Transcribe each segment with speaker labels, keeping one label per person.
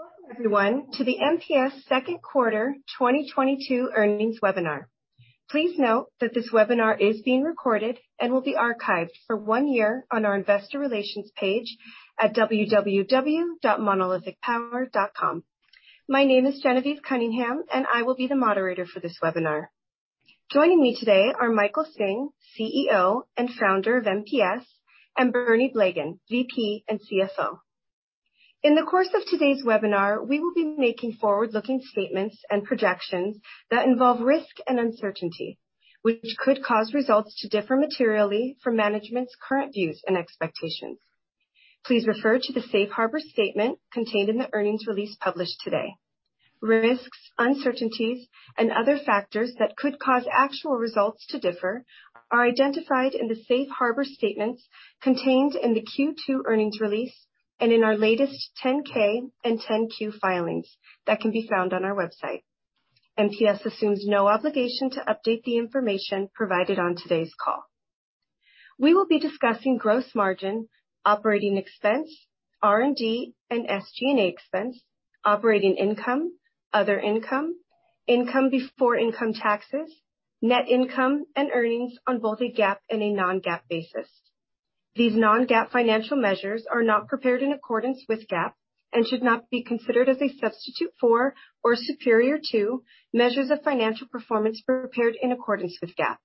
Speaker 1: Welcome everyone to the MPS second quarter 2022 earnings webinar. Please note that this webinar is being recorded and will be archived for one year on our investor relations page at www.monolithicpower.com. My name is Genevieve Cunningham, and I will be the moderator for this webinar. Joining me today are Michael Hsing, CEO and founder of MPS, and Bernie Blegen, EVP and CFO. In the course of today's webinar, we will be making forward-looking statements and projections that involve risk and uncertainty, which could cause results to differ materially from management's current views and expectations. Please refer to the safe harbor statement contained in the earnings release published today. Risks, uncertainties, and other factors that could cause actual results to differ are identified in the safe harbor statements contained in the Q2 earnings release and in our latest 10-K and 10-Q filings that can be found on our website. MPS assumes no obligation to update the information provided on today's call. We will be discussing gross margin, operating expense, R&D, and SG&A expense, operating income, other income before income taxes, net income, and earnings on both a GAAP and a non-GAAP basis. These non-GAAP financial measures are not prepared in accordance with GAAP and should not be considered as a substitute for or superior to measures of financial performance prepared in accordance with GAAP.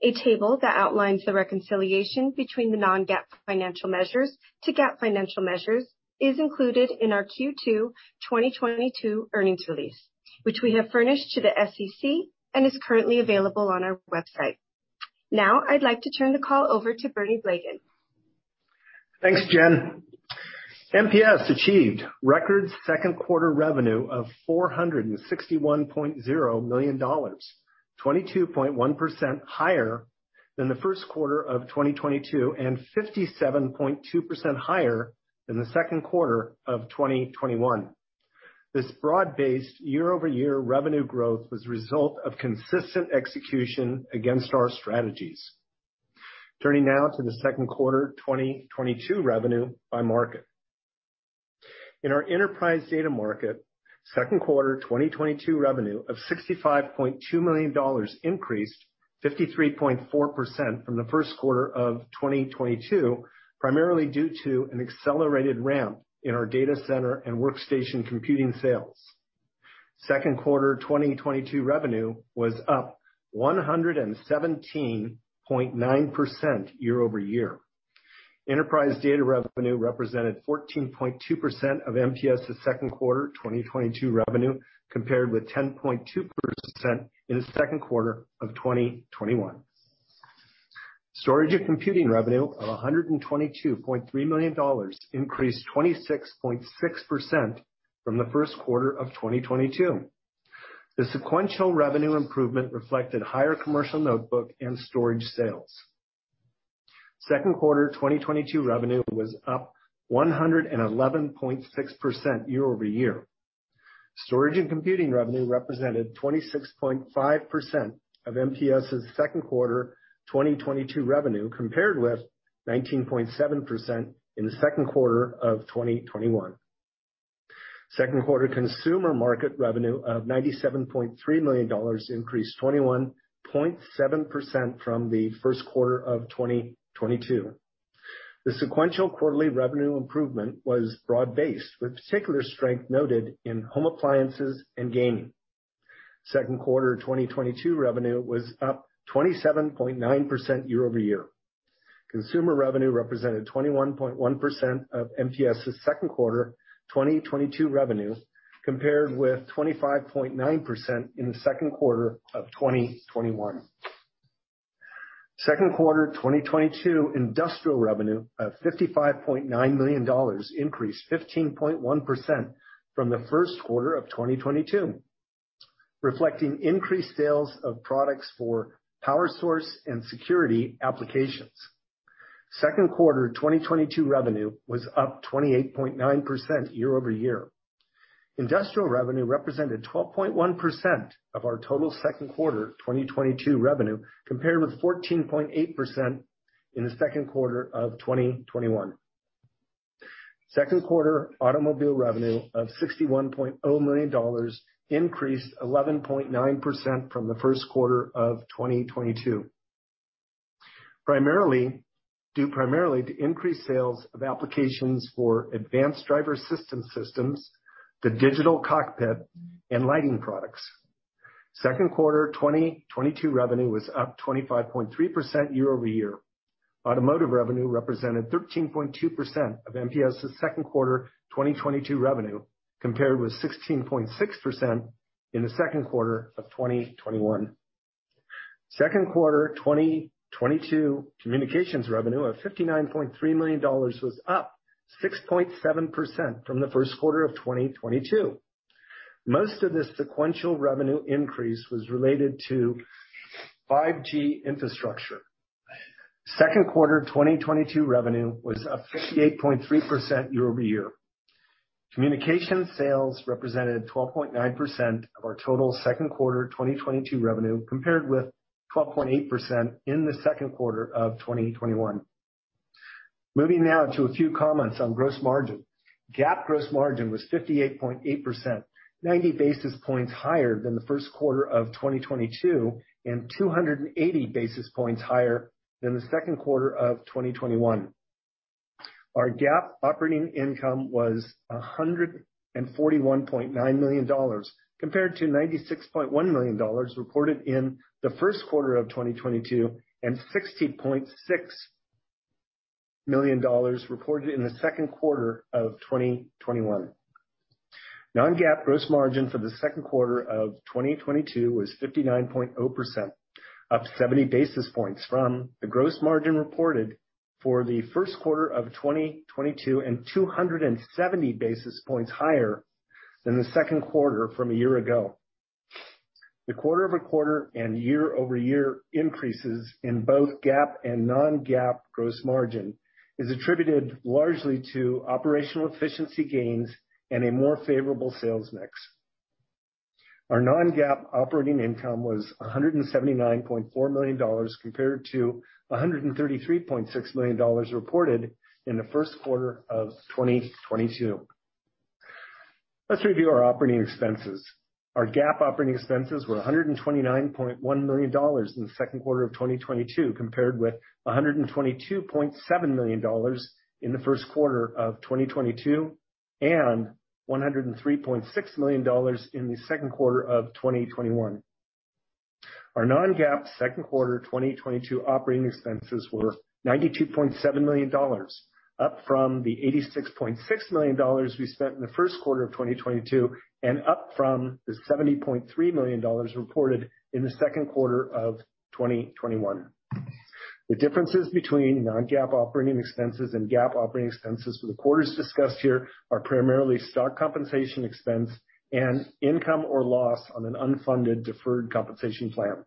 Speaker 1: A table that outlines the reconciliation between the non-GAAP financial measures to GAAP financial measures is included in our Q2 2022 earnings release, which we have furnished to the SEC and is currently available on our website. Now, I'd like to turn the call over to Bernie Blegen.
Speaker 2: Thanks, Jen. MPS achieved record second quarter revenue of $461.0 million, 22.1% higher than the first quarter of 2022, and 57.2% higher than the second quarter of 2021. This broad-based year-over-year revenue growth was a result of consistent execution against our strategies. Turning now to the second quarter 2022 revenue by market. In our enterprise data market, second quarter 2022 revenue of $65.2 million increased 53.4% from the first quarter of 2022, primarily due to an accelerated ramp in our data center and workstation computing sales. Second quarter 2022 revenue was up 117.9% year-over-year. Enterprise data revenue represented 14.2% of MPS's second quarter 2022 revenue, compared with 10.2% in the second quarter of 2021. Storage and computing revenue of $122.3 million increased 26.6% from the first quarter of 2022. The sequential revenue improvement reflected higher commercial notebook and storage sales. Second quarter 2022 revenue was up 111.6% year-over-year. Storage and computing revenue represented 26.5% of MPS's second quarter 2022 revenue, compared with 19.7% in the second quarter of 2021. Second quarter consumer market revenue of $97.3 million increased 21.7% from the first quarter of 2022. The sequential quarterly revenue improvement was broad-based, with particular strength noted in home appliances and gaming. Second quarter 2022 revenue was up 27.9% year-over-year. Consumer revenue represented 21.1% of MPS's second quarter 2022 revenue, compared with 25.9% in the second quarter of 2021. Second quarter 2022 industrial revenue of $55.9 million increased 15.1% from the first quarter of 2022, reflecting increased sales of products for power source and security applications. Second quarter 2022 revenue was up 28.9% year-over-year. Industrial revenue represented 12.1% of our total second quarter 2022 revenue, compared with 14.8% in the second quarter of 2021. Second quarter automotive revenue of $61.0 million increased 11.9% from the first quarter of 2022, due primarily to increased sales of applications for advanced driver assistance systems, the digital cockpit, and lighting products. Second quarter 2022 revenue was up 25.3% year-over-year. Automotive revenue represented 13.2% of MPS's second quarter 2022 revenue, compared with 16.6% in the second quarter of 2021. Second quarter 2022 communications revenue of $59.3 million was up 6.7% from the first quarter of 2022. Most of this sequential revenue increase was related to 5G infrastructure. Second quarter 2022 revenue was up 58.3% year-over-year. Communication sales represented 12.9% of our total second quarter 2022 revenue, compared with 12.8% in the second quarter of 2021. Moving now to a few comments on gross margin. GAAP gross margin was 58.8%, 90 basis points higher than the first quarter of 2022, and 280 basis points higher than the second quarter of 2021. Our GAAP operating income was $141.9 million, compared to $96.1 million reported in the first quarter of 2022, and $60.6 million reported in the second quarter of 2021. Non-GAAP gross margin for the second quarter of 2022 was 59.0%, up 70 basis points from the gross margin reported for the first quarter of 2022, and 270 basis points higher than the second quarter from a year ago. The quarter-over-quarter and year-over-year increases in both GAAP and non-GAAP gross margin is attributed largely to operational efficiency gains and a more favorable sales mix. Our non-GAAP operating income was $179.4 million, compared to $133.6 million reported in the first quarter of 2022. Let's review our operating expenses. Our GAAP operating expenses were $129.1 million in the second quarter of 2022, compared with $122.7 million in the first quarter of 2022, and $103.6 million in the second quarter of 2021. Our non-GAAP second quarter 2022 operating expenses were $92.7 million, up from the $86.6 million we spent in the first quarter of 2022, and up from the $70.3 million reported in the second quarter of 2021. The differences between non-GAAP operating expenses and GAAP operating expenses for the quarters discussed here are primarily stock compensation expense and income or loss on an unfunded deferred compensation plan.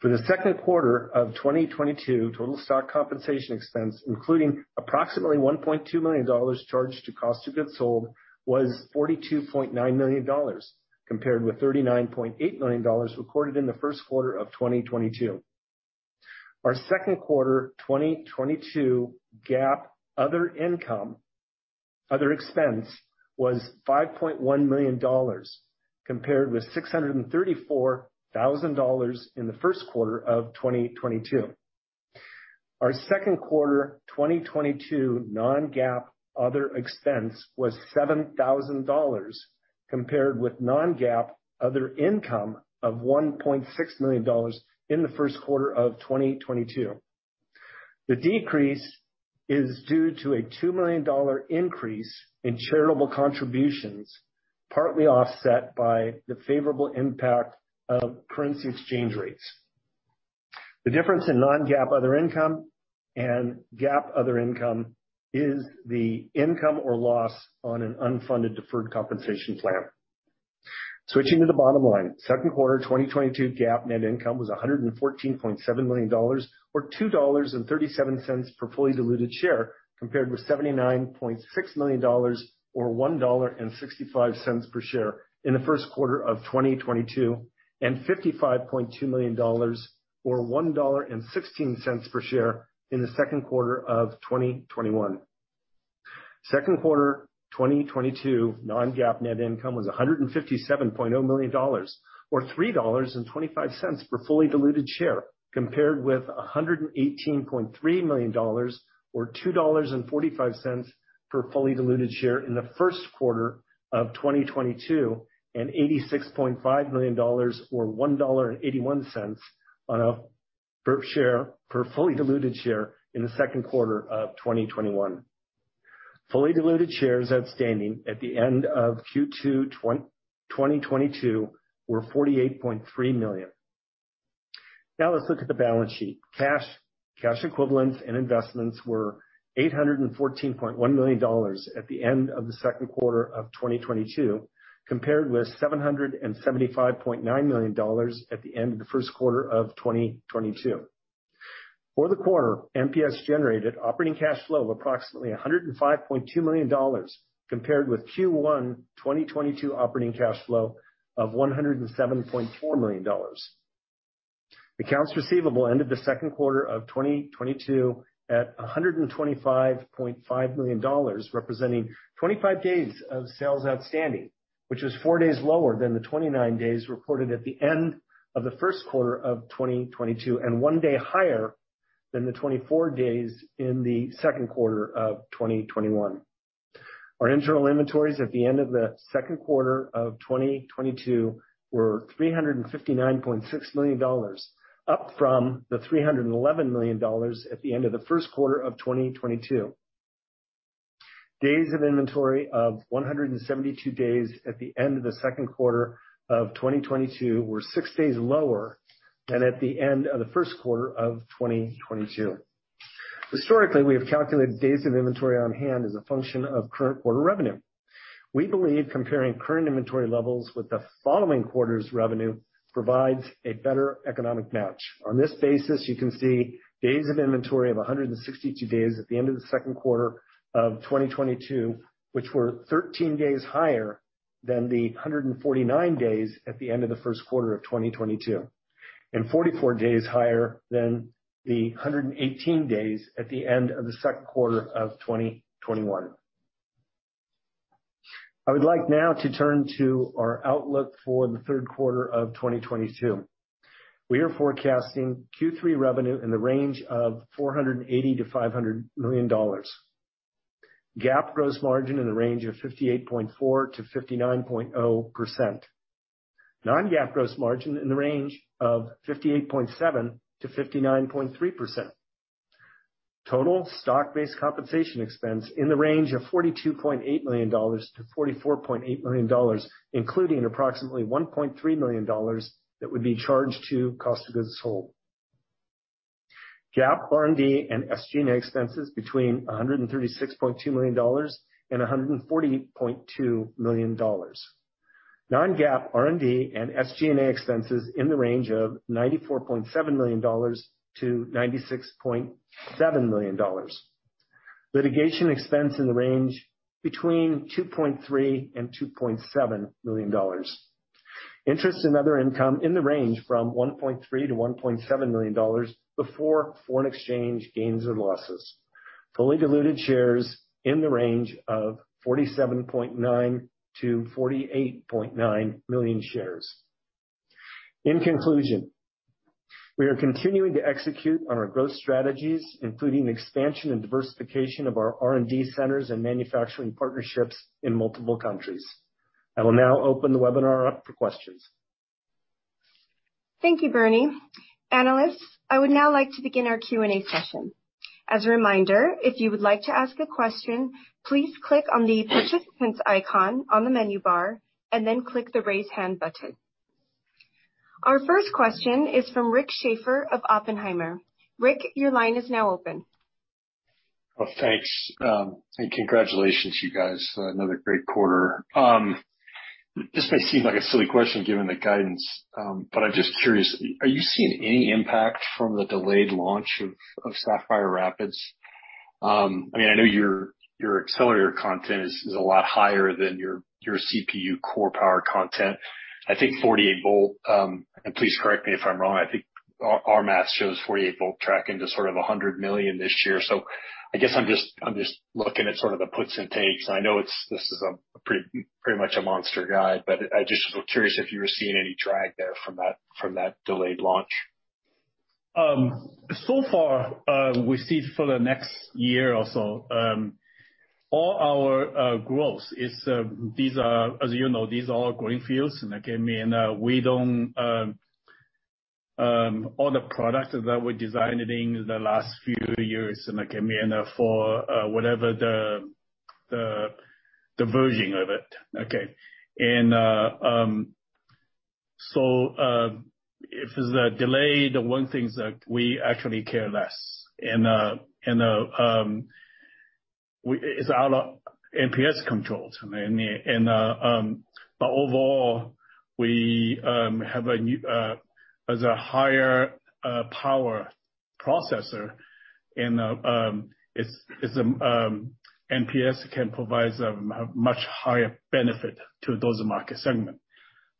Speaker 2: For the second quarter of 2022, total stock compensation expense, including approximately $1.2 million charged to cost of goods sold, was $42.9 million, compared with $39.8 million recorded in the first quarter of 2022. Our second quarter 2022 GAAP other income, other expense was $5.1 million, compared with $634 thousand in the first quarter of 2022. Our second quarter 2022 non-GAAP other expense was $7 thousand, compared with non-GAAP other income of $1.6 million in the first quarter of 2022. The decrease is due to a $2 million dollar increase in charitable contributions, partly offset by the favorable impact of currency exchange rates. The difference in non-GAAP other income and GAAP other income is the income or loss on an unfunded deferred compensation plan. Switching to the bottom line. Second quarter 2022 GAAP net income was $114.7 million, or $2.37 per fully diluted share, compared with $79.6 million or $1.65 per share in the first quarter of 2022, and $55.2 million or $1.16 per share in the second quarter of 2021. Second quarter 2022 non-GAAP net income was $157.0 million or $3.25 per fully diluted share, compared with $118.3 million or $2.45 per fully diluted share in the first quarter of 2022, and $86.5 million or $1.81 per fully diluted share in the second quarter of 2021. Fully diluted shares outstanding at the end of Q2 2022 were 48.3 million. Now let's look at the balance sheet. Cash, cash equivalents and investments were $814.1 million at the end of the second quarter of 2022, compared with $775.9 million at the end of the first quarter of 2022. For the quarter, MPS generated operating cash flow of approximately $105.2 million, compared with Q1 2022 operating cash flow of $107.4 million. Accounts receivable ended the second quarter of 2022 at $125.5 million, representing 25 days of sales outstanding, which is four days lower than the 29 days reported at the end of the first quarter of 2022, and one day higher than the 24 days in the second quarter of 2021. Our internal inventories at the end of the second quarter of 2022 were $359.6 million, up from the $311 million at the end of the first quarter of 2022. Days of inventory of 172 days at the end of the second quarter of 2022 were 6 days lower than at the end of the first quarter of 2022. Historically, we have calculated days of inventory on hand as a function of current quarter revenue. We believe comparing current inventory levels with the following quarter's revenue provides a better economic match. On this basis, you can see days of inventory of 162 days at the end of the second quarter of 2022, which were 13 days higher than- Than the 149 days at the end of the first quarter of 2022. Forty-four days higher than the 118 days at the end of the second quarter of 2021. I would like now to turn to our outlook for the third quarter of 2022. We are forecasting Q3 revenue in the range of $480 million-$500 million. GAAP gross margin in the range of 58.4%-59.0%. Non-GAAP gross margin in the range of 58.7%-59.3%. Total stock-based compensation expense in the range of $42.8 million-$44.8 million, including approximately $1.3 million that would be charged to cost of goods sold. GAAP, R&D and SG&A expenses between $136.2 million and $140.2 million. Non-GAAP, R&D and SG&A expenses in the range of $94.7 million-$96.7 million. Litigation expense in the range between $2.3 million and $2.7 million. Interest and other income in the range from $1.3 million-$1.7 million before foreign exchange gains or losses. Fully diluted shares in the range of 47.9 million-48.9 million shares. In conclusion, we are continuing to execute on our growth strategies, including expansion and diversification of our R&D centers and manufacturing partnerships in multiple countries. I will now open the webinar up for questions.
Speaker 1: Thank you, Bernie. Analysts, I would now like to begin our Q&A session. As a reminder, if you would like to ask a question, please click on the participant's icon on the menu bar and then click the Raise Hand button. Our first question is from Rick Schafer of Oppenheimer. Rick, your line is now open.
Speaker 3: Well, thanks. Congratulations you guys, another great quarter. This may seem like a silly question given the guidance, but I'm just curious, are you seeing any impact from the delayed launch of Sapphire Rapids? I mean, I know your accelerator content is a lot higher than your CPU core power content. I think 48-volt, and please correct me if I'm wrong, I think our math shows 48-volt tracking to sort of $100 million this year. I guess I'm just looking at sort of the puts and takes. I know this is a pretty much a monster guide, but I just was curious if you were seeing any drag there from that delayed launch.
Speaker 4: So far, we see, for the next year or so, all our growth is these. As you know, these are all greenfields, and again, I mean, all the products that were designed in the last few years, and again, I mean, for whatever the version of it, okay. If there's a delay, the one thing is that we actually care less. It's all MPS controlled, but overall, we have a new higher power processor, and MPS can provide a much higher benefit to those market segments.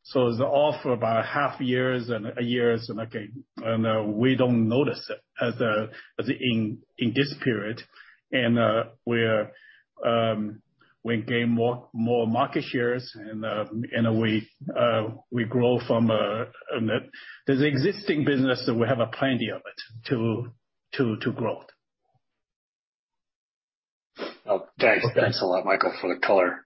Speaker 4: It's all for about half a year and a year, and we don't notice it as an issue in this period. We gain more market shares and we grow from the existing business that we have plenty of it to grow.
Speaker 3: Oh, thanks. Thanks a lot, Michael, for the color.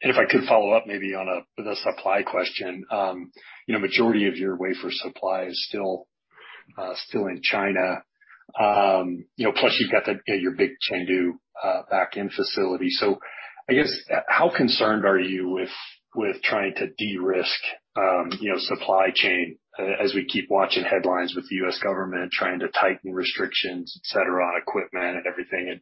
Speaker 3: If I could follow up maybe with a supply question. You know, majority of your wafer supply is still in China. You know, plus you've got your big Chengdu backend facility. I guess, how concerned are you with trying to de-risk, you know, supply chain as we keep watching headlines with the U.S. government trying to tighten restrictions, et cetera, on equipment and everything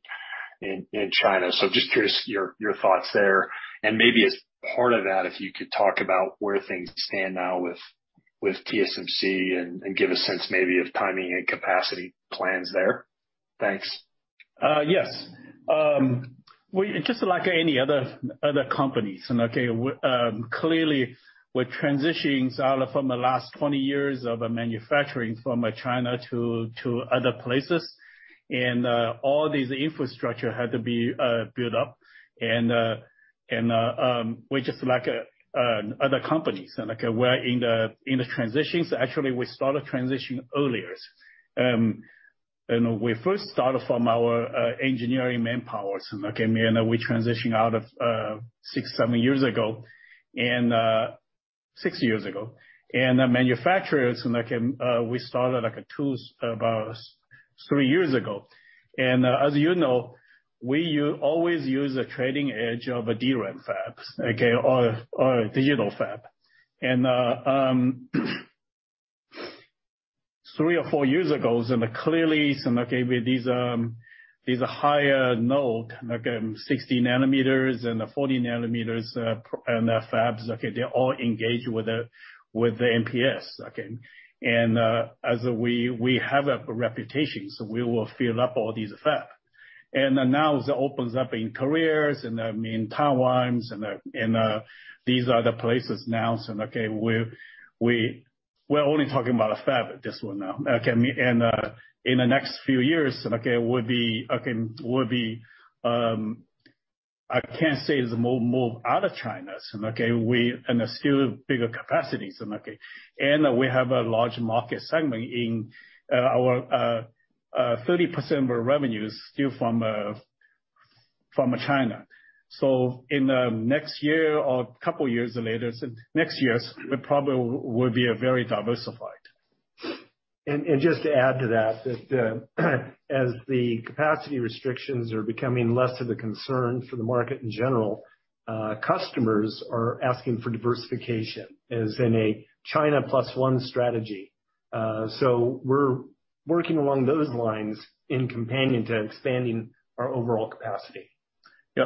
Speaker 3: in China? Just curious your thoughts there. Maybe as part of that, if you could talk about where things stand now with TSMC and give a sense maybe of timing and capacity plans there. Thanks.
Speaker 4: Yes. Just like any other companies, clearly we're transitioning sort of from the last 20 years of manufacturing from China to other places. All this infrastructure had to be built up. We're just like other companies, like we're in the transitions. Actually, we started transitioning earlier. We first started from our engineering manpower, and again, we transition out of six, seven years ago. The manufacturers, we started like tools about 3 years ago. As you know, we always use a leading edge of a D-RAM fabs, okay, or a digital fab. Three or four years ago, clearly, with these higher nodes like 60 nanometers and the 40 nm and fabs, okay, they're all engaged with the MPS, okay? As we have a reputation, so we will fill up all these fabs. Now it opens up in Korea and, I mean, Taiwan and these other places now, so we're only talking about a fab, this one now. In the next few years, we'll be more out of China. We'll need still bigger capacities. We have a large market segment. 30% of our revenue is still from China. In the next year or couple years later, so next year, we probably will be very diversified.
Speaker 2: Just to add to that, as the capacity restrictions are becoming less of a concern for the market in general, customers are asking for diversification as in a China plus one strategy. We're working along those lines in conjunction with expanding our overall capacity.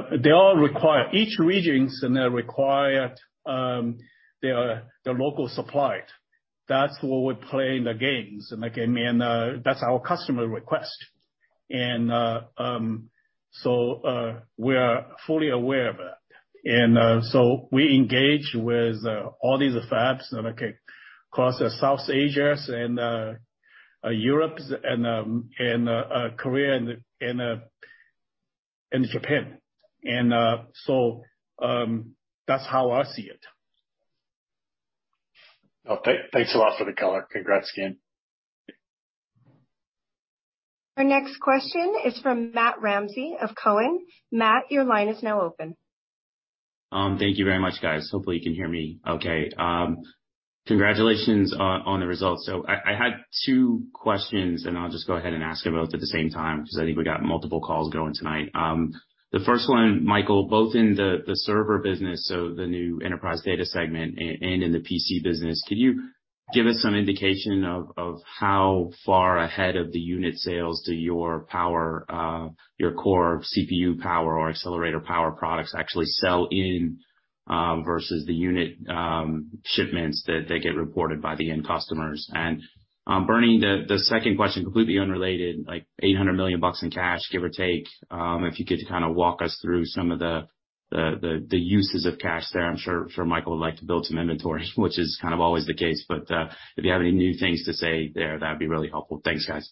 Speaker 4: Yeah. They all require each regions, and they require their local suppliers. That's where we play in the games, and like, I mean, that's our customer request. We are fully aware of that. We engage with all these fabs, okay, across the South Asia and Europes and Korea and Japan. That's how I see it. Okay. Thanks a lot for the color. Congrats again.
Speaker 1: Our next question is from Matthew Ramsay of TD Cowen. Matt, your line is now open.
Speaker 5: Thank you very much, guys. Hopefully you can hear me okay. Congratulations on the results. I had two questions, and I'll just go ahead and ask them both at the same time, because I think we got multiple calls going tonight. The first one, Michael, both in the server business, the new enterprise data segment and in the PC business, could you give us some indication of how far ahead of the unit sales do your power, your core CPU power or accelerator power products actually sell in versus the unit shipments that get reported by the end customers? Bernie, the second question, completely unrelated, like $800 million in cash, give or take, if you could just kind of walk us through some of the uses of cash there, I'm sure Michael would like to build some inventory, which is kind of always the case. If you have any new things to say there, that'd be really helpful. Thanks, guys.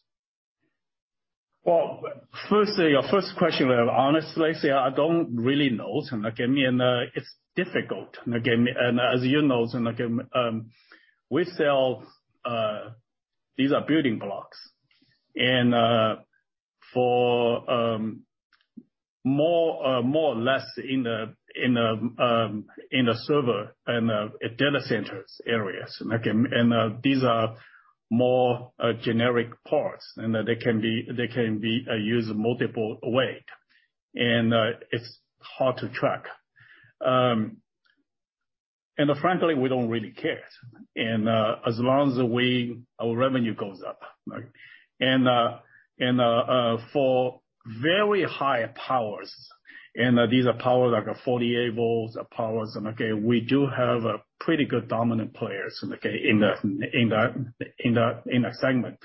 Speaker 4: Well, firstly, your first question, honestly, I say I don't really know. Okay. I mean, it's difficult. Okay. As you know, so like, we sell these are building blocks and for more or less in the server and data centers areas. Okay. These are more generic parts, and they can be used multiple ways. It's hard to track. Frankly, we don't really care. As long as our revenue goes up, right? For very high powers, and these are powers like 48-volt powers, okay, we do have pretty good dominant players, okay, in the segment.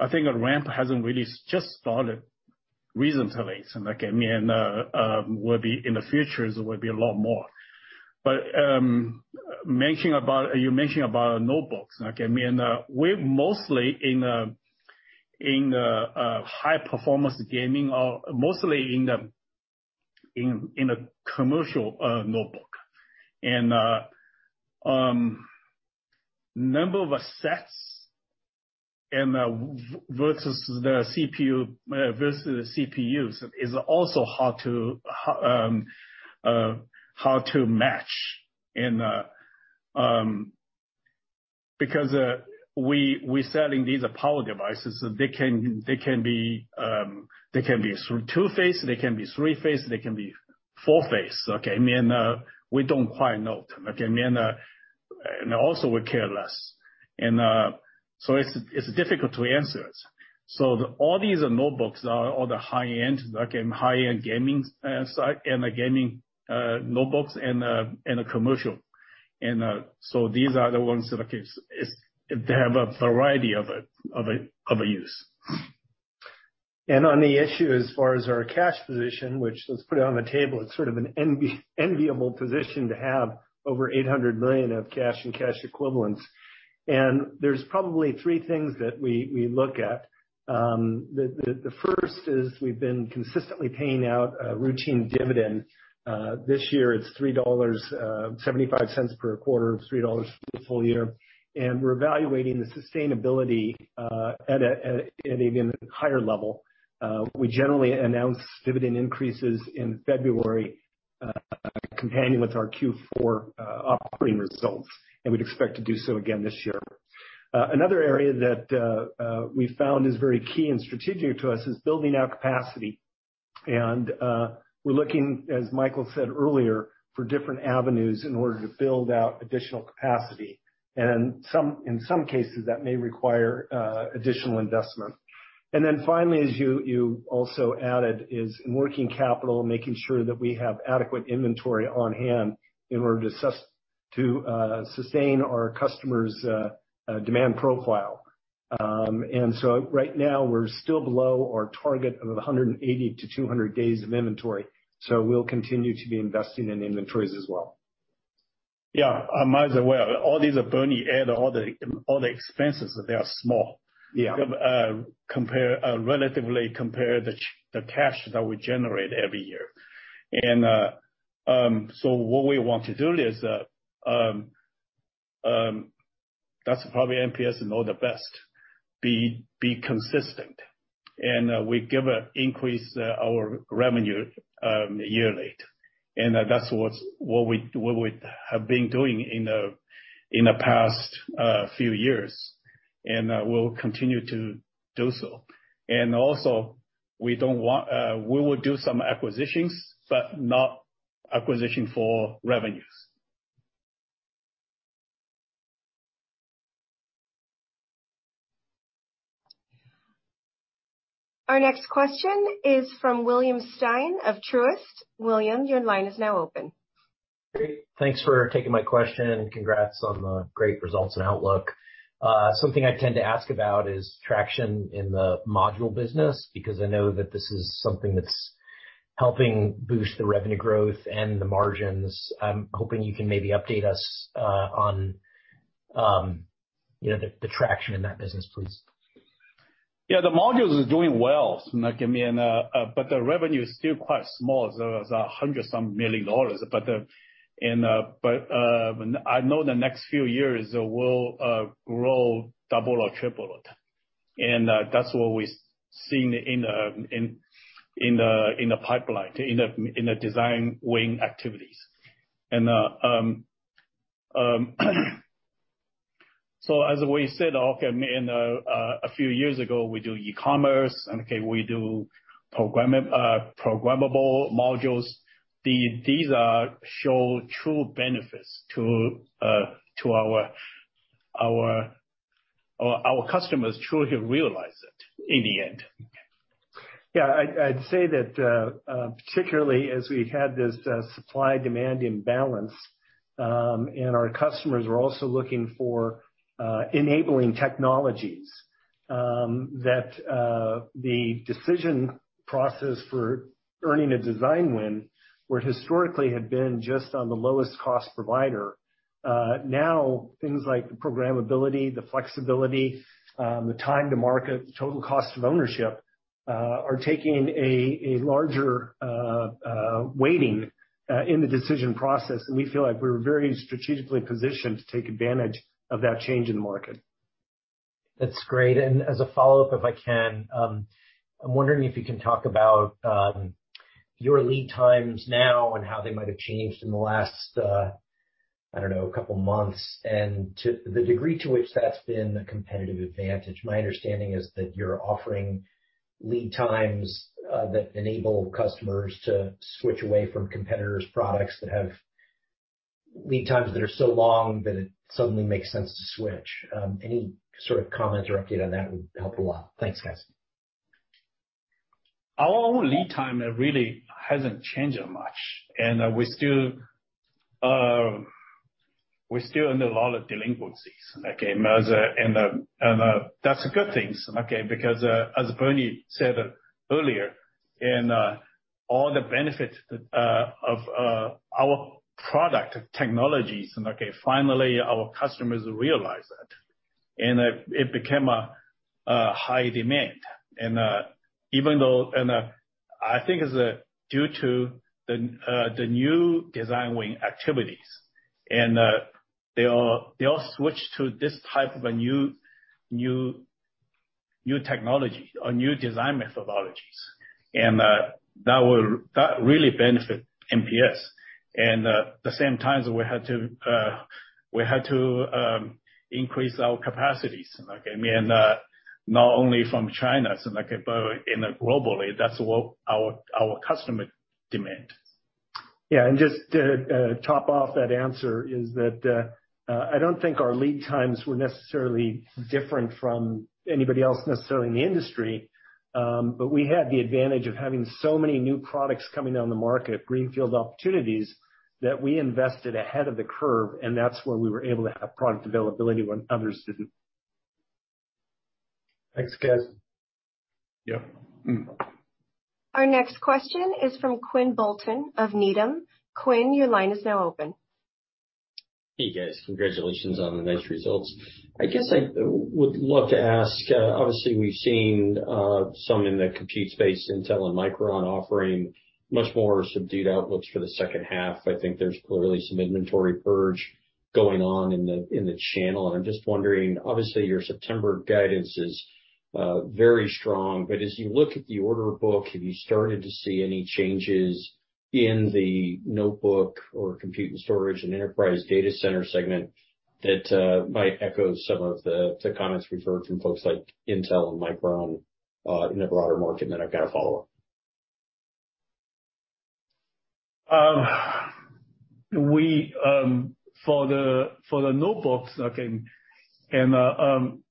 Speaker 4: I think the ramp hasn't really just started recently. In the future, we'll be a lot more. You're making about notebooks. Okay. We're mostly in high performance gaming or mostly in the commercial notebook. Number of sets and versus the CPU versus the CPUs is also hard to match and because we're selling these power devices. They can be two-phase, they can be three-phase, they can be four-phase, okay. We don't quite know. Okay. Also we care less. It's difficult to answer it. All these notebooks are the high-end, again, high-end gaming, and the gaming notebooks and the commercial. These are the ones that they have a variety of a use.
Speaker 2: On the issue as far as our cash position, which let's put it on the table, it's sort of an enviable position to have over $800 million of cash and cash equivalents. There's probably three things that we look at. The first is we've been consistently paying out a routine dividend. This year it's $0.75 per quarter, $3 for the full year. We're evaluating the sustainability at an even higher level. We generally announce dividend increases in February in conjunction with our Q4 operating results, and we'd expect to do so again this year. Another area that we found is very key and strategic to us is building our capacity. We're looking, as Michael said earlier, for different avenues in order to build out additional capacity. In some cases, that may require additional investment. Finally, as you also added, is working capital, making sure that we have adequate inventory on hand in order to sustain our customers' demand profile. Right now we're still below our target of 180-200 days of inventory. We'll continue to be investing in inventories as well.
Speaker 4: Yeah. I might as well. All these are Bernie and all the expenses, they are small.
Speaker 2: Yeah.
Speaker 4: Compare relatively the cash that we generate every year. That's probably MPS knows the best to be consistent. We give an increase in our revenue yearly. That's what we have been doing in the past few years. We'll continue to do so. Also, we will do some acquisitions, but not acquisitions for revenue.
Speaker 1: Our next question is from William Stein of Truist. William, your line is now open.
Speaker 6: Great. Thanks for taking my question, and congrats on the great results and outlook. Something I tend to ask about is traction in the module business, because I know that this is something that's helping boost the revenue growth and the margins. I'm hoping you can maybe update us on, you know, the traction in that business, please.
Speaker 4: Yeah. The modules is doing well. I mean, the revenue is still quite small. It's $100-some million. I know the next few years will grow double or triple it. That's what we've seen in the pipeline, in the design win activities. As we said, I mean, a few years ago, we do e-commerce and we do programmable modules. These are showing true benefits to our customers. Our customers truly have realized it in the end.
Speaker 2: Yeah. I'd say that particularly as we had this supply demand imbalance, and our customers were also looking for enabling technologies, that the decision process for earning a design win, where historically had been just on the lowest cost provider, now things like the programmability, the flexibility, the time to market, the total cost of ownership, are taking a larger weighting in the decision process. We feel like we're very strategically positioned to take advantage of that change in the market.
Speaker 6: That's great. As a follow-up, if I can, I'm wondering if you can talk about your lead times now and how they might have changed in the last couple of months, and to the degree to which that's been a competitive advantage. My understanding is that you're offering lead times that enable customers to switch away from competitors' products that have lead times that are so long that it suddenly makes sense to switch. Any sort of comment or update on that would help a lot. Thanks, guys.
Speaker 4: Our lead time really hasn't changed that much. We're still under a lot of delinquencies, okay? That's a good thing, okay? Because as Bernie said earlier, all the benefits of our product technologies, okay, finally our customers realize it. It became a high demand. I think it's due to the new design win activities. They all switch to this type of a new technology or new design methodologies. That really benefit MPS. At the same time, we had to increase our capacities, okay? I mean, not only from China, so like, but globally, that's what our customer demand.
Speaker 2: Yeah. Just to top off that answer is that I don't think our lead times were necessarily different from anybody else necessarily in the industry. But we had the advantage of having so many new products coming on the market, greenfield opportunities, that we invested ahead of the curve, and that's where we were able to have product availability when others didn't.
Speaker 6: Thanks, guys.
Speaker 4: Yeah.
Speaker 1: Our next question is from Quinn Bolton of Needham. Quinn, your line is now open.
Speaker 7: Hey, guys. Congratulations on the nice results. I guess I would love to ask, obviously we've seen some in the compute space, Intel and Micron offering much more subdued outlooks for the second half. I think there's clearly some inventory purge going on in the channel. I'm just wondering, obviously, your September guidance is very strong. But as you look at the order book, have you started to see any changes in the notebook or compute and storage and enterprise data center segment that might echo some of the comments we've heard from folks like Intel and Micron in the broader market? I've got a follow-up.
Speaker 4: For the notebooks, okay, and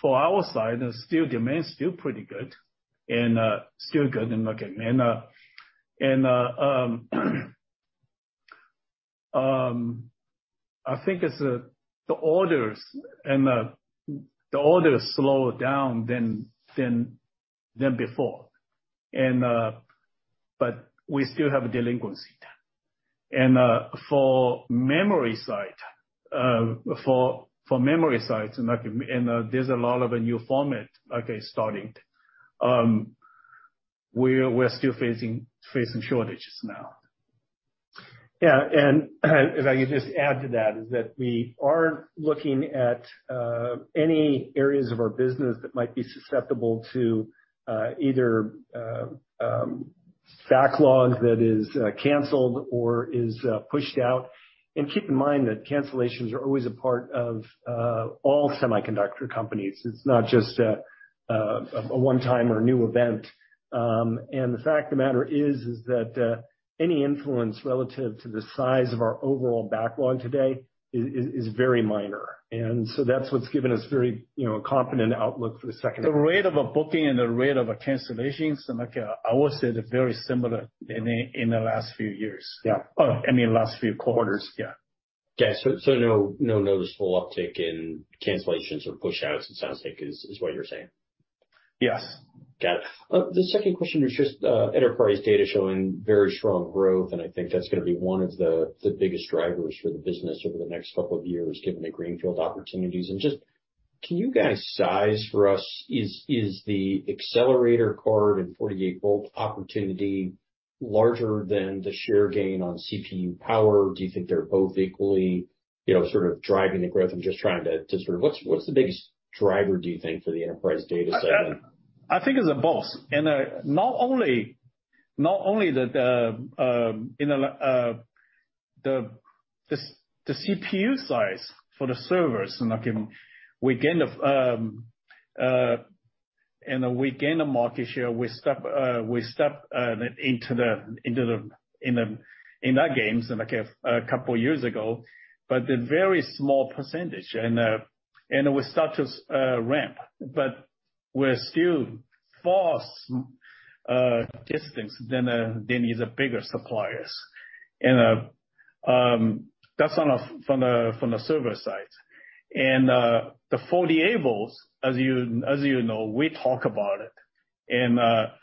Speaker 4: for our side, still demand still pretty good and still good. Look, I think the orders slowed down than before. We still have a delinquency. For memory side, there's a lot of new format, okay, starting. We're still facing shortages now.
Speaker 2: Yeah. If I could just add to that is that we are looking at any areas of our business that might be susceptible to either backlogs that are canceled or pushed out. Keep in mind that cancellations are always a part of all semiconductor companies. It's not just a one-time or new event. The fact of the matter is that any influence relative to the size of our overall backlog today is very minor. That's what's given us very, you know, confident outlook for the second-
Speaker 4: The rate of a booking and the rate of a cancellation, so like, I would say they're very similar in the last few years.
Speaker 2: Yeah.
Speaker 4: I mean, last few quarters. Yeah.
Speaker 7: Yeah. No noticeable uptick in cancellations or pushouts, it sounds like is what you're saying?
Speaker 2: Yes.
Speaker 7: Got it. The second question is just enterprise data showing very strong growth, and I think that's gonna be one of the biggest drivers for the business over the next couple of years, given the greenfield opportunities. Just can you guys size for us, is the accelerator card and 48-volt opportunity larger than the share gain on CPU power? Do you think they're both equally, you know, sort of driving the growth? I'm just sort of what's the biggest driver, do you think, for the enterprise data segment?
Speaker 4: I think it's both. Not only, you know, the CPU size for the servers, and we gain the market share. We step into that game, and like a couple of years ago, but a very small percentage. We start to ramp, but we're still far distant from these bigger suppliers. That's from the server side. The 48s, as you know, we talk about it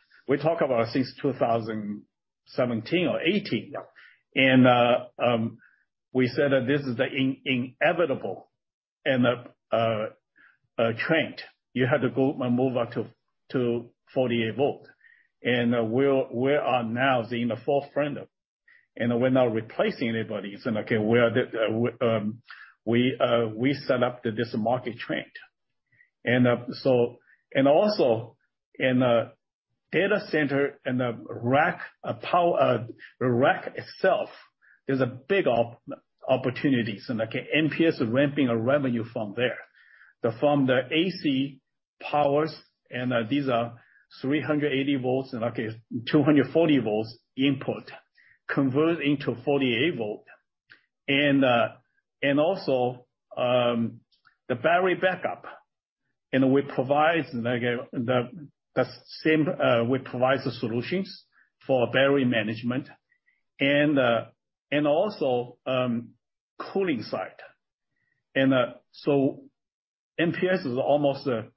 Speaker 4: since 2017 or 2018.
Speaker 2: Yeah.
Speaker 4: We said that this is the inevitable trend. You have to go and move up to 48-volt. We are now the forefront of, and we're not replacing anybody. It's like, okay, we set up this market trend. Also in the data center and the rack power, rack itself, there's a big opportunities. Like MPS is ramping revenue from there. From the AC powers, and these are 380 volts and, okay, 240 volts input convert into 48-volt. Also, the battery backup. We provide like the same solutions for battery management and also cooling side. MPS is almost a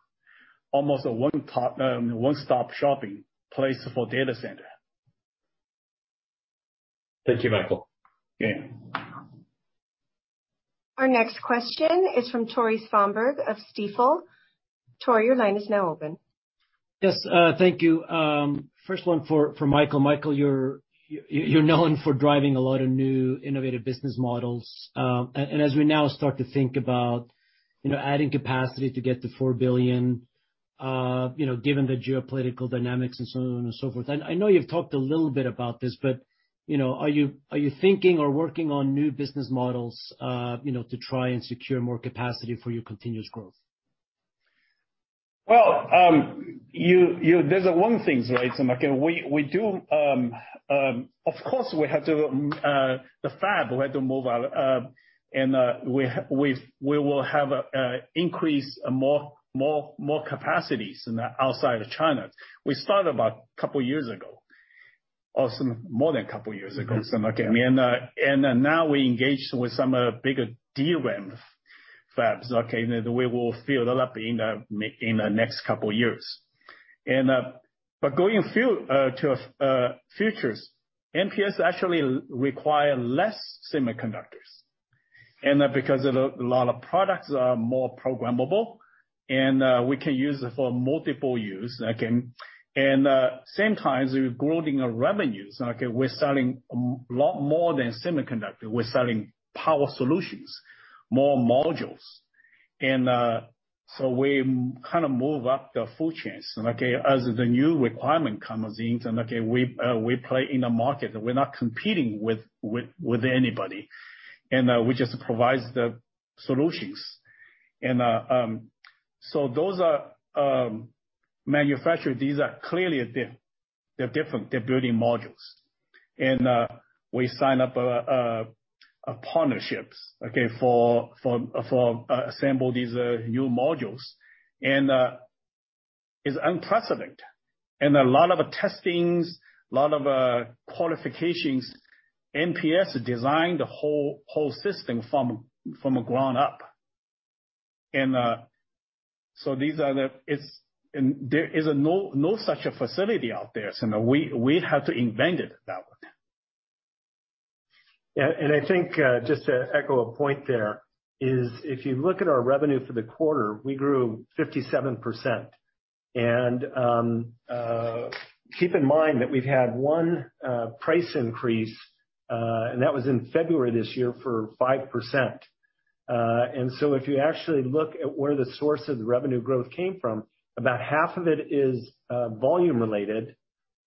Speaker 4: one-part, one-stop shopping place for data center.
Speaker 7: Thank you, Michael.
Speaker 4: Yeah.
Speaker 1: Our next question is from Tore Svanberg of Stifel. Tore, your line is now open.
Speaker 8: Yes, thank you. First one for Michael. Michael, you're known for driving a lot of new innovative business models. As we now start to think about, you know, adding capacity to get to $4 billion, you know, given the geopolitical dynamics and so on and so forth, and I know you've talked a little bit about this, but, you know, are you thinking or working on new business models, you know, to try and secure more capacity for your continuous growth?
Speaker 4: Well, there's one thing, right? Like we do of course we have to the fab, we have to move our and we will have increase more capacities outside of China. We started about a couple years ago or some more than a couple of years ago. Like, I mean, now we engaged with some bigger DRAM fabs, okay, that we will fill that up in the next couple of years. But going forward, MPS actually require less semiconductors. Because a lot of products are more programmable and we can use it for multiple use. Again, same time, we're growing our revenues. Okay. We're selling a lot more than semiconductor. We're selling power solutions, more modules. We kind of move up the food chain, okay, as the new requirement comes in, and okay, we play in a market that we're not competing with anybody, and we just provide the solutions. Those are manufactured. These are clearly different. They're different. They're building modules. We sign up partnerships, okay, for assembling these new modules. It's unprecedented. A lot of testing, a lot of qualifications. MPS designed the whole system from ground up. These are the. It's and there is no such facility out there. We had to invent it that way.
Speaker 2: Yeah, I think just to echo a point, there is if you look at our revenue for the quarter, we grew 57%. Keep in mind that we've had one price increase, and that was in February this year for 5%. If you actually look at where the source of the revenue growth came from, about half of it is volume related,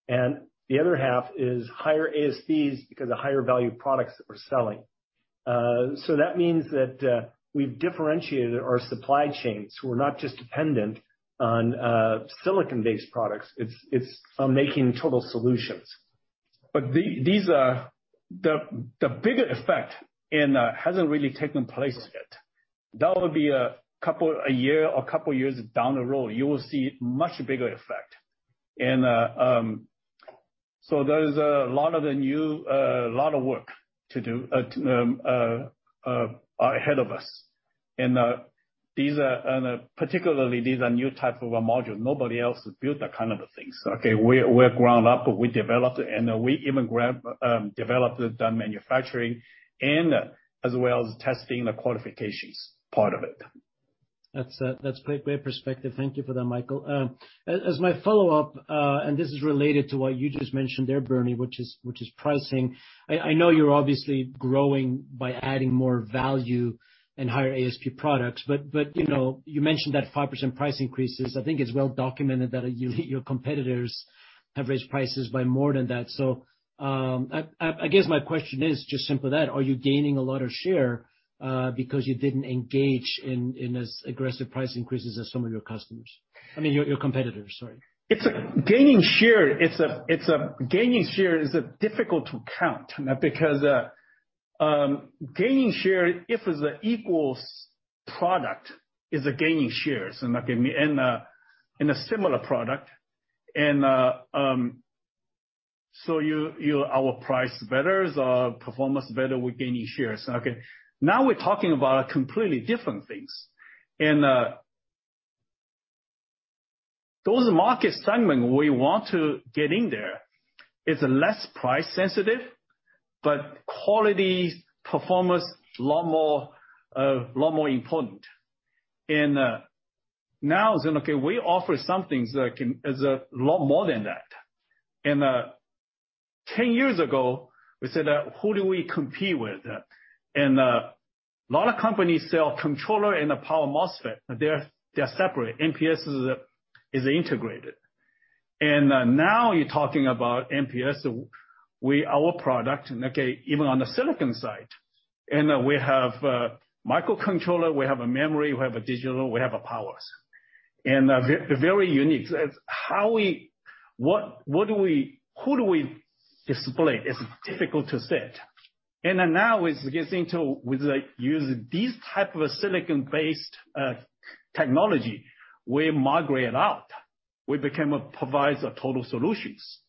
Speaker 2: and the other half is higher ASPs because of higher value products that we're selling. That means that we've differentiated our supply chains. We're not just dependent on silicon-based products. It's on making total solutions.
Speaker 4: These are the biggest effect and hasn't really taken place yet. That would be a couple of years or couple years down the road, you will see much bigger effect. There is a lot of new work to do ahead of us. These are particularly new type of a module. Nobody else has built that kind of a thing. Okay, we're ground up, but we developed it, and we even have developed it, done manufacturing and as well as testing the qualifications part of it.
Speaker 8: That's great. Great perspective. Thank you for that, Michael. As my follow-up, and this is related to what you just mentioned there, Bernie, which is pricing. I know you're obviously growing by adding more value and higher ASP products, but you know, you mentioned that 5% price increases. I think it's well documented that your competitors have raised prices by more than that. I guess my question is just simple that, are you gaining a lot of share because you didn't engage in as aggressive price increases as some of your customers, I mean, your competitors, sorry?
Speaker 4: Gaining share is difficult to count because gaining share, if it's equals product, is gaining shares and in a similar product. Our price is better, our performance is better, we're gaining shares. Okay. Now we're talking about completely different things. Those market segments we want to get into are less price sensitive, but quality, performance a lot more important. We offer some things that can do a lot more than that. Ten years ago, we said, "Who do we compete with?" A lot of companies sell controller and a power MOSFET. They're separate. MPS is integrated. Now you're talking about MPS, our product, okay, even on the silicon side, and we have microcontroller, we have a memory, we have a digital, we have a power, and very unique. What do we, who do we displace is difficult to say it. Now it's getting to we use these type of silicon-based technology, we migrate out, we become a provider of total solutions.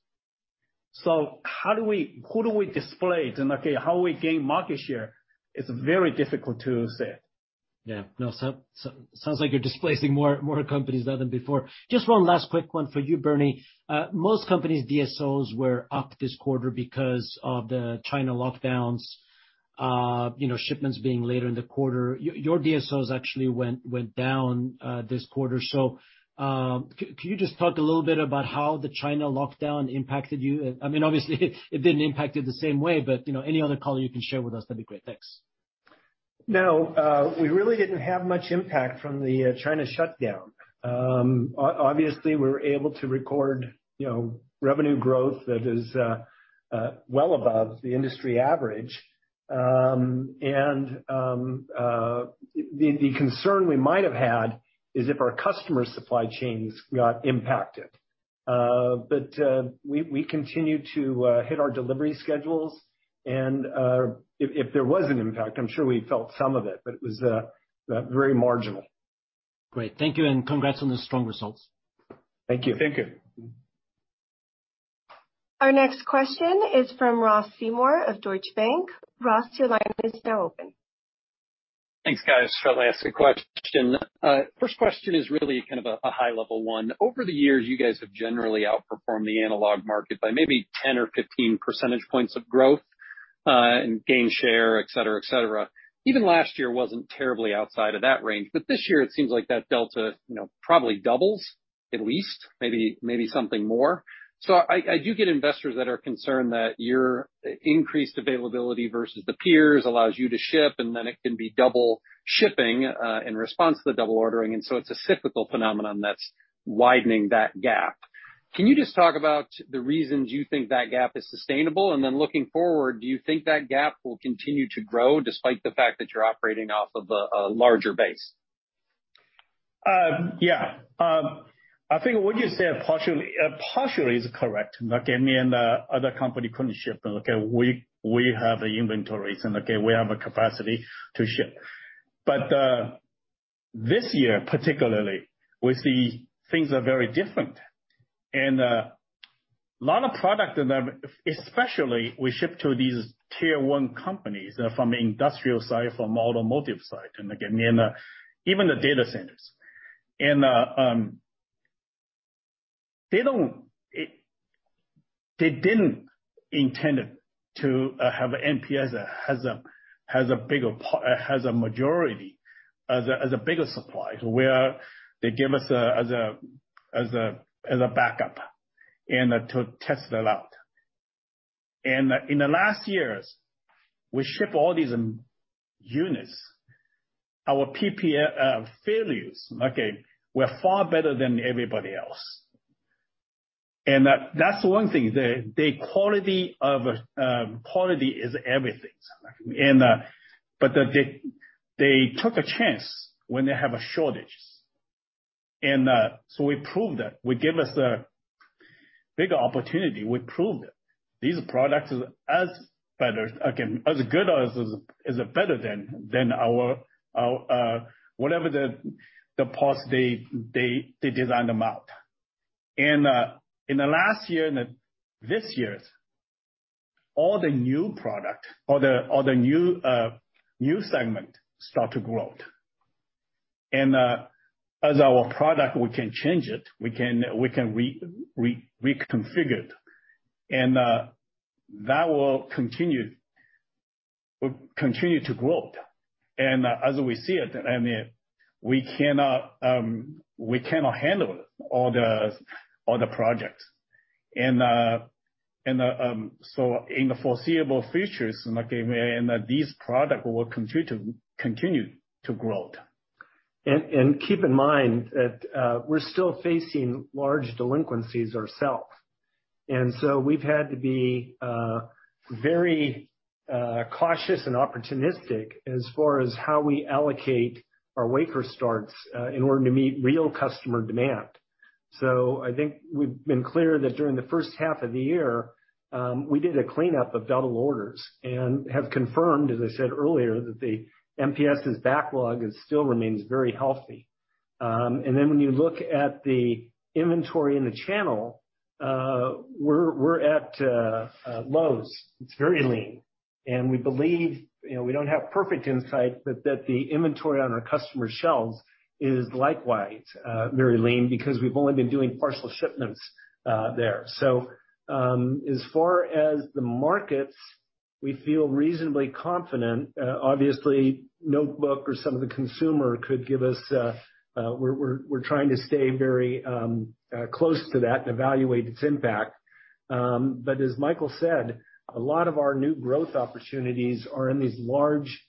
Speaker 4: How do we, who do we displace it and, okay, how we gain market share is very difficult to say.
Speaker 8: Yeah. No, sounds like you're displacing more companies now than before. Just one last quick one for you, Bernie. Most companies' DSOs were up this quarter because of the China lockdowns, you know, shipments being later in the quarter. Your DSOs actually went down this quarter. Can you just talk a little bit about how the China lockdown impacted you? I mean, obviously it didn't impact you the same way, but, you know, any other color you can share with us, that'd be great. Thanks.
Speaker 2: No, we really didn't have much impact from the China shutdown. Obviously, we're able to record, you know, revenue growth that is well above the industry average. The concern we might have had is if our customer supply chains got impacted. We continue to hit our delivery schedules and if there was an impact, I'm sure we felt some of it, but it was very marginal.
Speaker 8: Great. Thank you, and congrats on the strong results.
Speaker 2: Thank you.
Speaker 4: Thank you.
Speaker 1: Our next question is from Ross Seymore of Deutsche Bank. Ross, your line is now open.
Speaker 9: Thanks, guys. If I could ask a question. First question is really kind of a high-level one. Over the years, you guys have generally outperformed the analog market by maybe 10 or 15 percentage points of growth, and gain share, et cetera, et cetera. Even last year wasn't terribly outside of that range, but this year it seems like that delta, you know, probably doubles at least, maybe something more. I do get investors that are concerned that your increased availability versus the peers allows you to ship, and then it can be double shipping, in response to the double ordering, and so it's a cyclical phenomenon that's widening that gap. Can you just talk about the reasons you think that gap is sustainable? Looking forward, do you think that gap will continue to grow despite the fact that you're operating off of a larger base?
Speaker 4: Yeah, I think what you said partially is correct. The other company couldn't ship. We have the inventories and we have a capacity to ship. This year particularly, we see things are very different. A lot of product and especially we ship to these tier one companies from industrial side, from automotive side, and again, even the data centers. They didn't intend to have MPS as a majority, as a bigger supply to where they give us as a backup and to test it out. In the last years, we ship all these units. Our PPM failures, we're far better than everybody else. That's one thing, the quality of quality is everything. But they took a chance when they have a shortage. We proved that. We give us a bigger opportunity. We proved it. These products is as better again as good as better than our whatever the parts they designed them out. In the last year and this year, all the new product or the new segment start to grow. As our product, we can change it, we can reconfigure it, and that will continue to grow. As we see it, I mean, we cannot handle all the projects. In the foreseeable future, so like, these product will continue to grow.
Speaker 2: Keep in mind that we're still facing large delinquencies ourselves. We've had to be very cautious and opportunistic as far as how we allocate our wafer starts in order to meet real customer demand. I think we've been clear that during the first half of the year, we did a cleanup of double orders and have confirmed, as I said earlier, that the MPS's backlog still remains very healthy. When you look at the inventory in the channel, we're at lows. It's very lean. We believe, you know, we don't have perfect insight, but that the inventory on our customer shelves is likewise very lean, because we've only been doing partial shipments there. As far as the markets, we feel reasonably confident. Obviously, notebook or some of the consumer could give us. We're trying to stay very close to that and evaluate its impact. As Michael said, a lot of our new growth opportunities are in these large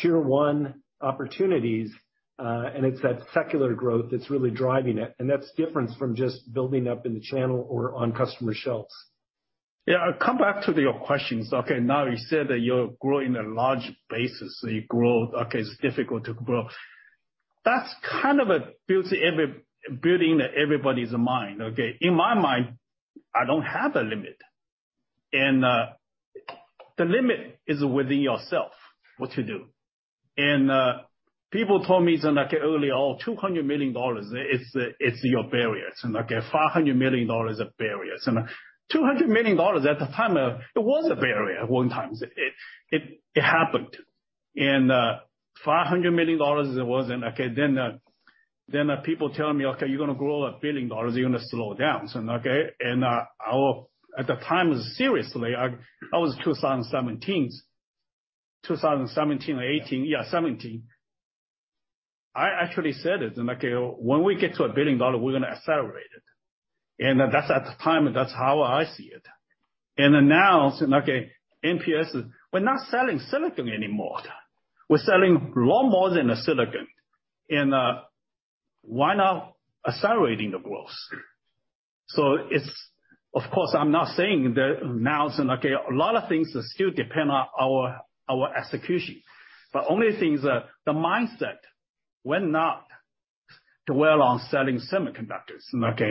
Speaker 2: tier one opportunities, and it's that secular growth that's really driving it, and that's different from just building up in the channel or on customer shelves.
Speaker 4: Yeah. Come back to your questions. Okay. Now, you said that you're growing at a large base, so you grow. Okay. It's difficult to grow. That's kind of built in everybody's mind. Okay. In my mind, I don't have a limit. The limit is within yourself, what you do. People told me, so like early on, $200 million, it's your barrier. Okay, $500 million barrier. $200 million at the time, it was a barrier at one time. It happened. $500 million, it wasn't. Okay. People tell me, "Okay, you're gonna grow to $1 billion, you're gonna slow down." Okay. At the time, seriously, that was 2017. 2017 or 2018. Yeah, 2017. I actually said it, like, when we get to $1 billion, we're gonna accelerate it. That's at the time, that's how I see it. Like, MPS, we're not selling silicon anymore. We're selling a lot more than silicon. Why not accelerating the growth? It's, of course, I'm not saying that now, it's like, a lot of things still depend on our execution. Only thing is that the mindset, we're not dwell on selling semiconductors, okay.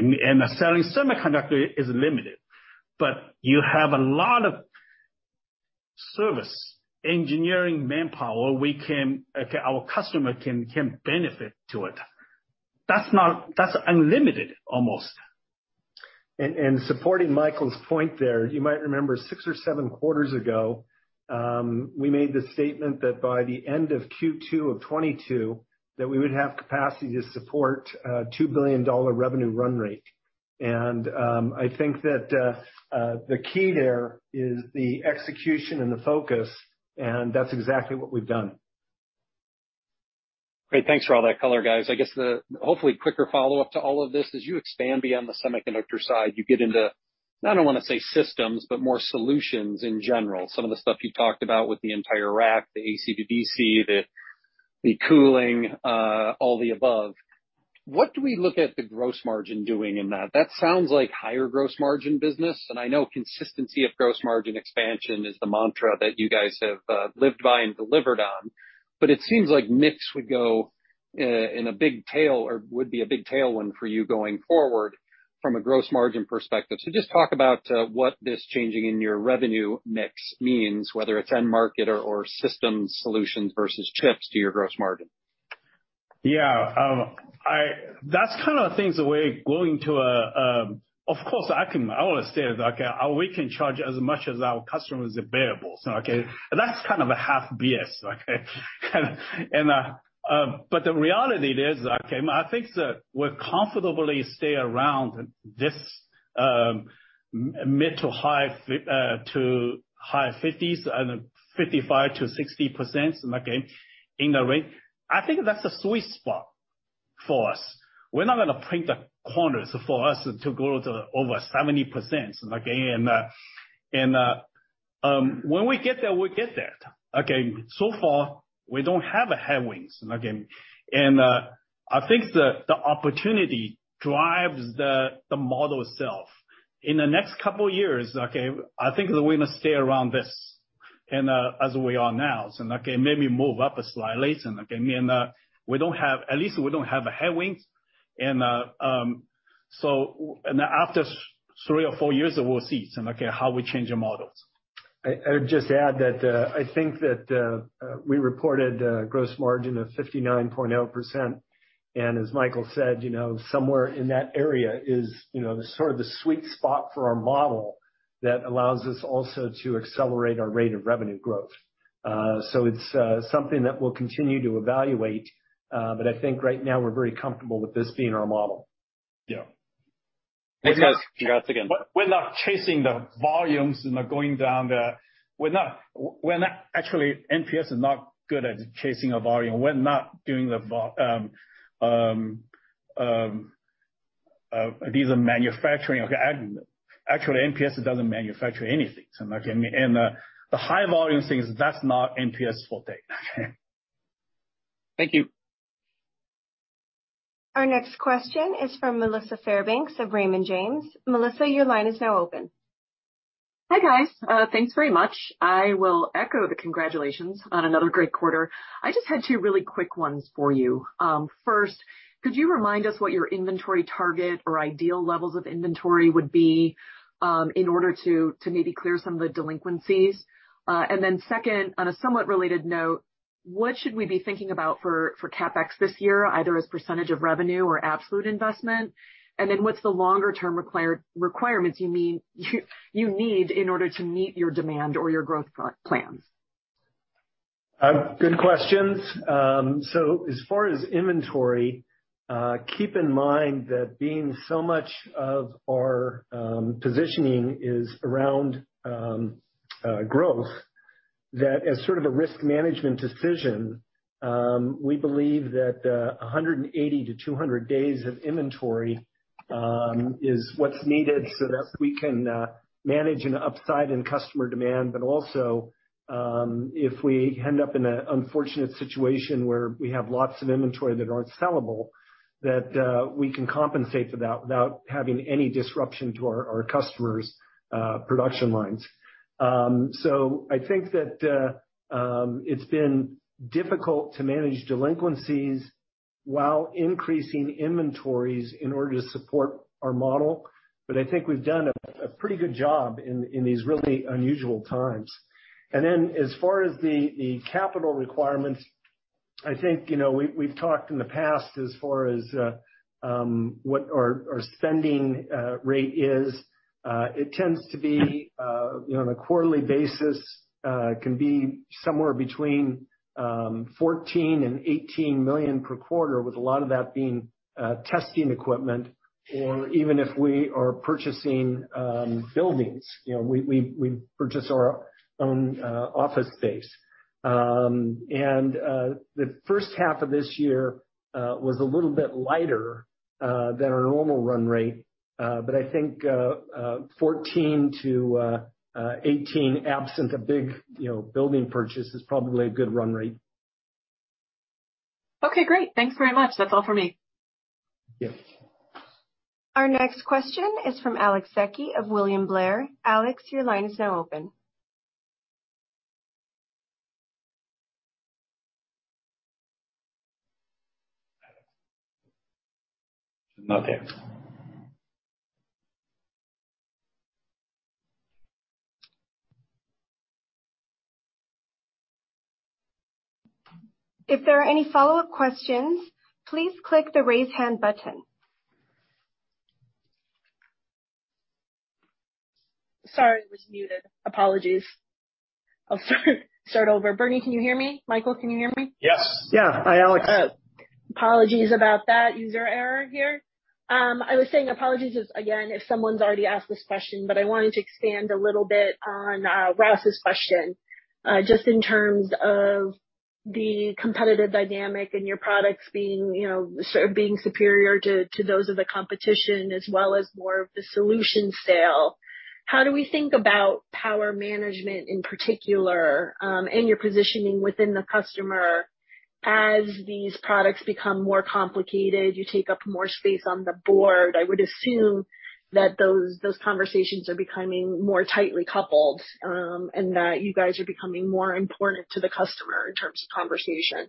Speaker 4: Selling semiconductor is limited. You have a lot of service, engineering manpower. We can. Okay, our customer can benefit from it. That's not. That's unlimited, almost.
Speaker 2: Supporting Hsing's point there, you might remember six or seven quarters ago, we made the statement that by the end of Q2 of 2022, that we would have capacity to support a $2 billion revenue run rate. I think that the key there is the execution and the focus, and that's exactly what we've done.
Speaker 9: Great. Thanks for all that color, guys. I guess, hopefully quicker follow-up to all of this, as you expand beyond the semiconductor side, you get into, I don't wanna say systems, but more solutions in general. Some of the stuff you talked about with the entire rack, the AC to DC, the cooling, all the above. What do we look at the gross margin doing in that? That sounds like higher gross margin business, and I know consistency of gross margin expansion is the mantra that you guys have lived by and delivered on, but it seems like mix would be a big tailwind for you going forward from a gross margin perspective. So just talk about what the change in your revenue mix means, whether it's end market or system solutions versus chips to your gross margin.
Speaker 4: Yeah. That's kind of the things that we're going to. I want to state, okay, we can charge as much as our customers can bear. So okay, that's kind of a half BS, okay? But the reality is, okay, I think that we'll comfortably stay around this mid- to high 50s and 55%-60%, again, in the range. I think that's a sweet spot for us. We're not gonna paint the corners for us to grow to over 70%, again. When we get there, we get there. Okay. So far, we don't have any headwinds, again. I think the opportunity drives the model itself. In the next couple of years, okay, I think that we're gonna stay around this and as we are now. Again, maybe move up slightly later, again. At least we don't have headwinds. After three or four years, we'll see how we change our models.
Speaker 2: I would just add that, I think that, we reported a gross margin of 59.0%. As Michael said, you know, somewhere in that area is, you know, the sort of the sweet spot for our model that allows us also to accelerate our rate of revenue growth. It's something that we'll continue to evaluate, but I think right now we're very comfortable with this being our model.
Speaker 4: Yeah.
Speaker 9: Thanks, guys. Congrats again.
Speaker 4: We're not. Actually, MPS is not good at chasing a volume. These are manufacturing, okay. Actually, MPS doesn't manufacture anything. Again, the high volume things, that's not MPS forte.
Speaker 9: Thank you.
Speaker 1: Our next question is from Melissa Fairbanks of Raymond James. Melissa, your line is now open.
Speaker 10: Hi, guys. Thanks very much. I will echo the congratulations on another great quarter. I just had two really quick ones for you. First, could you remind us what your inventory target or ideal levels of inventory would be in order to maybe clear some of the delinquencies? Then second, on a somewhat related note, what should we be thinking about for CapEx this year, either as percentage of revenue or absolute investment? Then what's the longer term requirements you need in order to meet your demand or your growth plans?
Speaker 2: Good questions. As far as inventory, keep in mind that being so much of our positioning is around growth, that as sort of a risk management decision, we believe that 180-200 days of inventory is what's needed so that we can manage an upside in customer demand. Also, if we end up in an unfortunate situation where we have lots of inventory that aren't sellable, that we can compensate for that without having any disruption to our customers' production lines. I think that it's been difficult to manage delinquencies while increasing inventories in order to support our model, but I think we've done a pretty good job in these really unusual times. Then as far as the capital requirements, I think, you know, we've talked in the past as far as what our spending rate is. It tends to be, you know, on a quarterly basis, somewhere between $14 million and $18 million per quarter, with a lot of that being testing equipment or even if we are purchasing buildings. You know, we purchase our own office space. The first half of this year was a little bit lighter than our normal run rate. I think $14 million-$18 million, absent a big, you know, building purchase, is probably a good run rate.
Speaker 10: Okay, great. Thanks very much. That's all for me.
Speaker 2: Yeah.
Speaker 1: Our next question is from Alessandra Vecchi of William Blair. Alex, your line is now open.
Speaker 4: He's not there.
Speaker 1: If there are any follow-up questions, please click the Raise Hand button.
Speaker 11: Sorry, it was muted. Apologies. I'll start over. Bernie, can you hear me? Michael, can you hear me?
Speaker 4: Yes.
Speaker 2: Yeah. Hi, Alex.
Speaker 11: Apologies about that. User error here. I was saying apologies again if someone's already asked this question, but I wanted to expand a little bit on Ross's question. Just in terms of the competitive dynamic and your products being, you know, sort of being superior to those of the competition as well as more of the solution sale. How do we think about power management in particular, and your positioning within the customer as these products become more complicated, you take up more space on the board? I would assume that those conversations are becoming more tightly coupled, and that you guys are becoming more important to the customer in terms of conversation.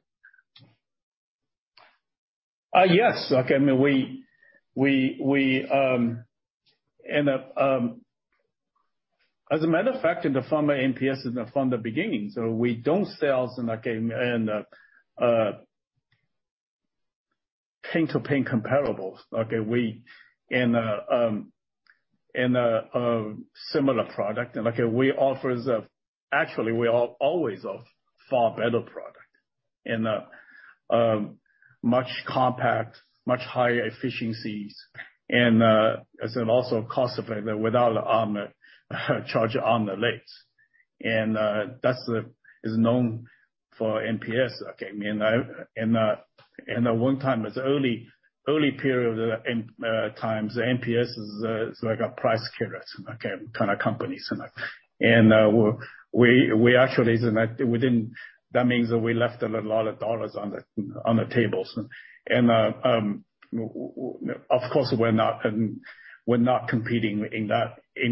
Speaker 4: Yes. Okay, I mean, we, as a matter of fact, from the beginning, MPS is, so we don't sell, so like in point-to-point comparables. Okay. When in a similar product, and like we offer the. Actually, we always offer far better product and much more compact, much higher efficiencies and also cost-effective without charge on the list. That's what is known for MPS. Okay. At one time in the early period in times, MPS is like a price warrior, okay, kind of company and that. We actually which meant that we left a lot of dollars on the table. Of course, we're not competing in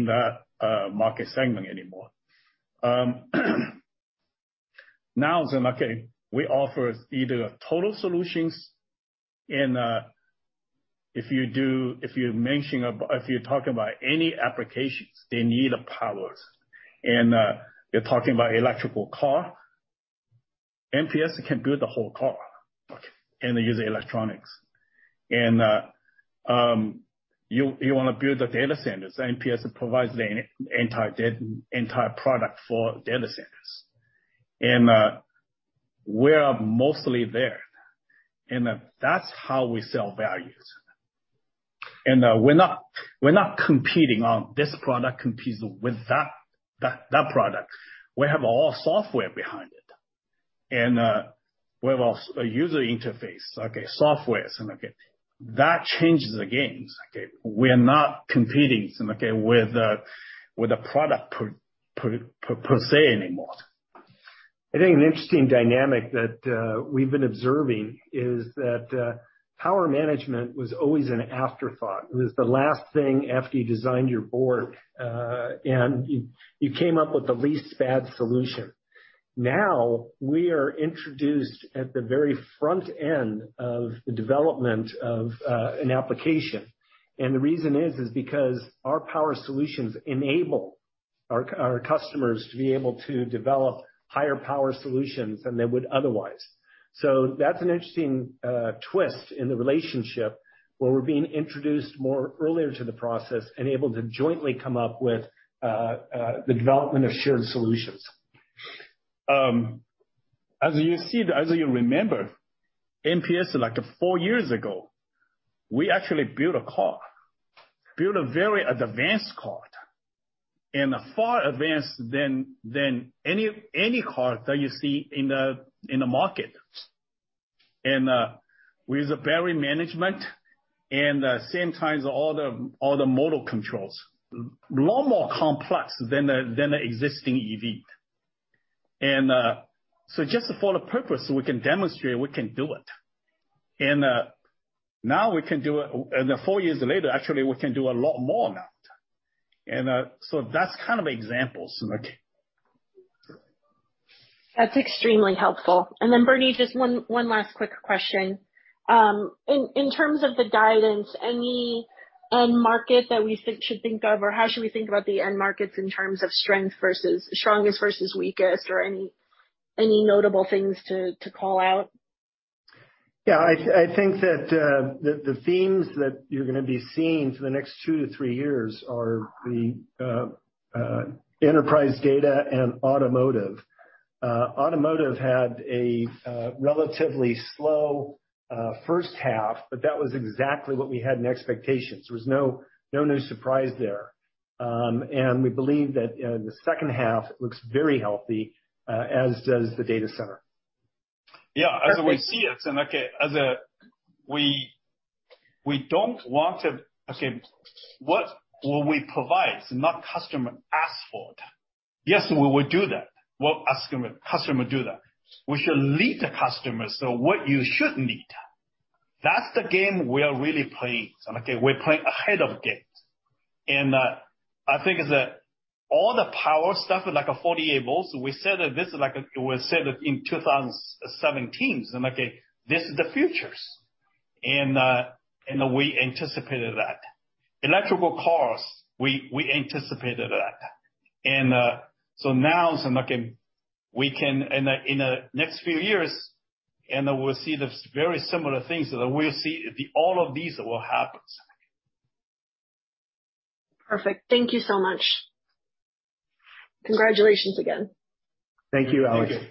Speaker 4: that market segment anymore. Now, okay, we offer total solutions and if you're talking about any applications, they need power. You're talking about electric car, MPS can build the whole car, okay, and they use electronics. You wanna build the data centers, MPS provides the entire product for data centers. We are mostly there, and that's how we sell value. We're not competing on this product competes with that product. We have all software behind it, and we have a user interface, okay, software, and okay. That changes the game, okay. We're not competing, okay, with the product per se anymore.
Speaker 2: I think an interesting dynamic that we've been observing is that power management was always an afterthought. It was the last thing after you designed your board, and you came up with the least bad solution. Now, we are introduced at the very front end of the development of an application. The reason is because our power solutions enable our customers to be able to develop higher power solutions than they would otherwise. That's an interesting twist in the relationship, where we're being introduced more earlier to the process and able to jointly come up with the development of shared solutions.
Speaker 4: As you see, as you remember, MPS, like 4 years ago, we actually built a car. Built a very advanced car, far advanced than any car that you see in the market. With the battery management and same time all the motor controls. A lot more complex than the existing EV. Just for the purpose, so we can demonstrate we can do it. Now we can do it, and 4 years later, actually, we can do a lot more now. That's kind of examples, okay.
Speaker 11: That's extremely helpful. Bernie, just one last quick question. In terms of the guidance, any end market that we should think of, or how should we think about the end markets in terms of strength versus strongest versus weakest or any notable things to call out?
Speaker 2: Yeah, I think that the themes that you're gonna be seeing for the next 2-3 years are the enterprise data and automotive. Automotive had a relatively slow first half, but that was exactly what we had in expectations. There was no new surprise there. We believe that, you know, the second half looks very healthy, as does the data center.
Speaker 4: Yeah. As we see it, okay, we don't want to. Okay, what will we provide, not customer asked for it? Yes, we will do that. What customer do that. We should lead the customer, so what you should need. That's the game we are really playing. Okay, we're playing ahead of games. I think that all the power stuff, like 48-volt, we said that this is like we said it in 2017, okay, this is the future. We anticipated that. Electric cars, we anticipated that. We can in the next few years, and we'll see the very similar things. All of these will happen.
Speaker 11: Perfect. Thank you so much. Congratulations again.
Speaker 2: Thank you, Alex.
Speaker 4: Thank you.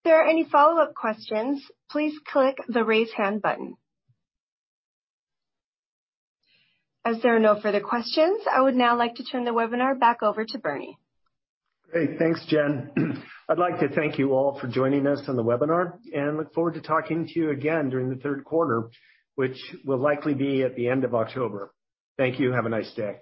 Speaker 1: If there are any follow-up questions, please click the Raise Hand button. As there are no further questions, I would now like to turn the webinar back over to Bernie.
Speaker 2: Great. Thanks, Jen. I'd like to thank you all for joining us on the webinar, and look forward to talking to you again during the third quarter, which will likely be at the end of October. Thank you. Have a nice day.